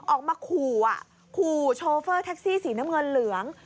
ออกมาขู่อ่ะขู่ขู่โชเฟอร์แท็กซี่สีน้ำเงินเหลือง